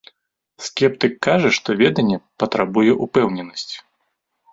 Скептык кажа, што веданне патрабуе упэўненасці.